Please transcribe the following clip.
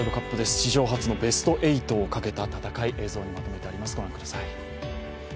史上初のベスト８をかけた戦い映像でまとめてあります。